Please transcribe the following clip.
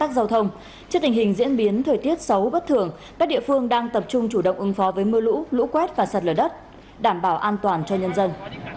trước tình hình diễn biến thời tiết xấu bất thường các địa phương đang tập trung chủ động ứng phó với mưa lũ lũ quét và sạt lở đất đảm bảo an toàn cho nhân dân